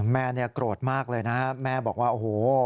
แม่เนี่ยโกรธมากเลยนะแม่บอกว่าโอ้โห